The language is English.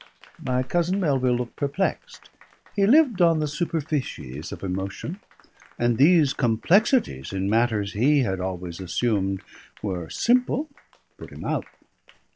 My cousin Melville looked perplexed. He lived on the superficies of emotion, and these complexities in matters he had always assumed were simple, put him out.